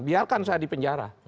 biarkan saja dipenjara